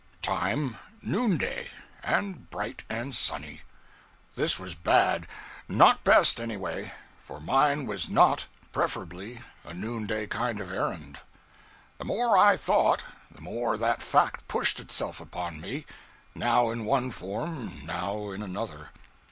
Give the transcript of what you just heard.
Time, noonday; and bright and sunny. This was bad not best, anyway; for mine was not (preferably) a noonday kind of errand. The more I thought, the more that fact pushed itself upon me now in one form, now in another.